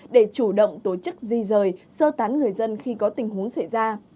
để chủ động tổ chức di rời sơ tán người dân khi có tình huống xảy ra